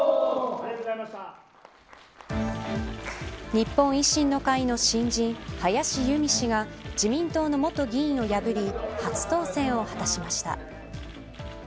日本維新の会の新人林佑美氏が自民党の元議員を破り初当選を果たしました。